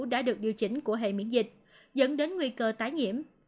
đã được điều chỉnh của hệ miễn dịch dẫn đến nguy cơ tái nhiễm